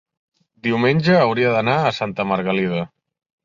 Diumenge hauria d'anar a Santa Margalida.